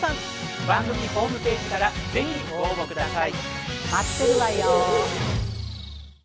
番組ホームページから是非ご応募下さい！